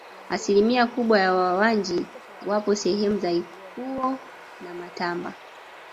Asilimia kubwa ya Wawanji wapo sehemu za Ikuwo na Matamba